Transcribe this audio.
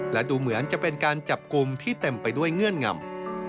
และดูเหมือนจะเป็นการจับกลุ่มที่เต็มไปด้วยเงื่อนงำ